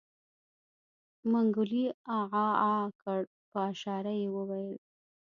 منګلي عاعاعا کړ په اشاره يې وويل.